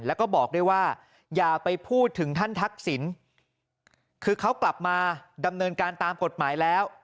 แล้วก็บอกด้วยว่าอย่าไปพูดถึงท่านทักษิณคือเขากลับมาดำเนินการตามกฎหมายแล้ว